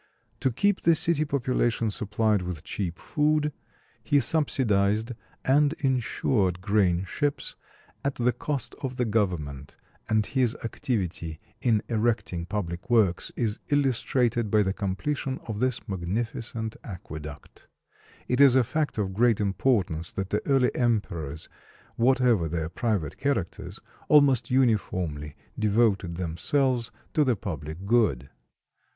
To keep the city population supplied with cheap food, he subsidized and insured grain ships at the cost of the government; and his activity in erecting public works is illustrated by the completion of this magnificent aqueduct. It is a fact of great importance that the early emperors, whatever their private characters, almost uniformly devoted themselves to the public good.